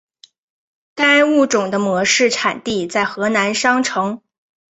该物种的模式产地在河南商城。